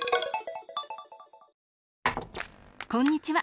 こんにちは！